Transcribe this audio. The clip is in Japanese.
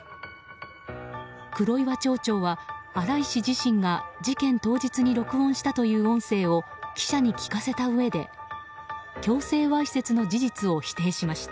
黒岩町長は新井氏自身が事件当日に録音したという音声を記者に聞かせたうえで強制わいせつの事実を否定しました。